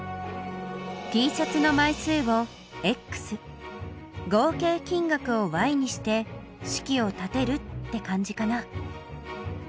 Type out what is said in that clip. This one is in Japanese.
Ｔシャツの枚数を合計金額をにして式を立てるって感じかな。